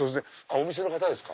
お店の方ですか？